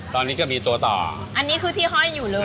ตอนนี้ก็มีตัวต่ออันนี้คือที่ห้อยอยู่เลย